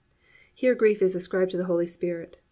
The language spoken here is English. "+ Here grief is ascribed to the Holy Spirit.